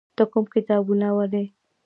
ته کوم کتابونه ولې؟